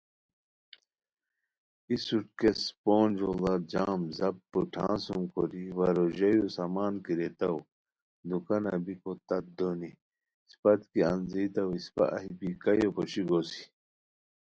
ای سوٹ کیس پونج جوڑا جم زپ بوٹھان سُم کوری وا روژایو سامان کی ریتاؤ دوکانہ بیکو تت دونی، اسپت کی انځئیتاؤ اسپہ ایہہ بی کایو پوشی گوسی"